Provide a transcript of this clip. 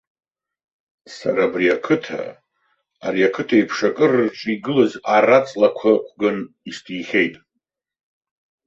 Сара абри ақыҭа, ари ақыҭеиԥш акыр рҿы игылаз ара-ҵлақәа ықәган исҭихьеит.